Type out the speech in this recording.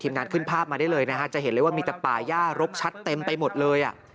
นั้นขึ้นภาพมาได้เลยนะฮะจะเห็นเลยว่ามีแต่ป่าย่ารกชัดเต็มไปหมดเลยอ่ะ